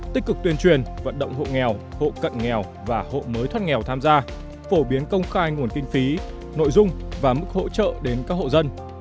tích cực tuyên truyền vận động hộ nghèo hộ cận nghèo và hộ mới thoát nghèo tham gia phổ biến công khai nguồn kinh phí nội dung và mức hỗ trợ đến các hộ dân